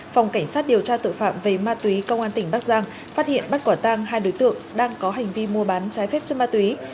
phòng cảnh sát điều tra tội phạm về ma túy công an tỉnh bắc giang phát hiện bắt quả tang hai đối tượng đang có hành vi mua bán trái phép chất ma túy